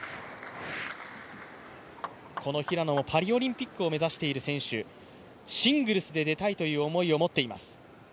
この平野もパリオリンピックを目指している選手、シングルスで出たいという思いを持っています。